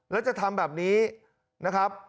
แล้วจะทำแบบนี้นะครับ